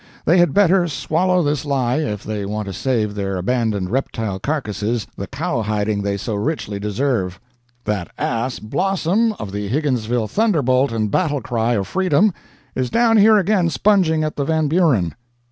They had better swallow this lie if they want to save their abandoned reptile carcasses the cowhiding they so richly deserve. That ass, Blossom, of the Higginsville Thunderbolt and Battle Cry of Freedom, is down here again sponging at the Van Buren.